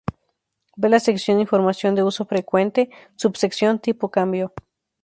Ver la sección Información de uso frecuente, sub-sección Tipo de cambio.